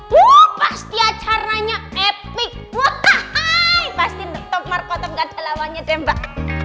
wooo pasti acaranya epic wah kahaaii pasti top markotop nggak ada lawanya deh mbak